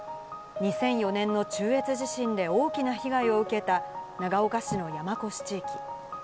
２００４年の中越地震で大きな被害を受けた長岡市の山古志地域。